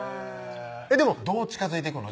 でもどう近づいていくの？